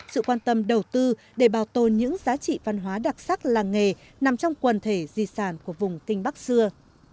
sự quan tâm đầu tư để bảo tồn những giá trị văn hóa đặc sắc làng nghề nằm trong quần thể di sản của vùng kinh bắc xưa